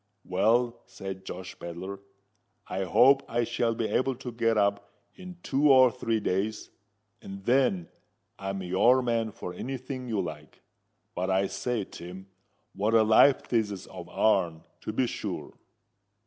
"Well," said Josh Pedler, "I hope I shall be able to get up in two or three days; and then I'm your man for any thing you like. But, I say, Tim, what a life this is of our'n, to be sure!"